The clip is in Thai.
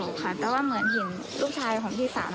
ไม่เคยบอกค่ะแต่ว่าเหมือนเห็นลูกชายของพี่สาว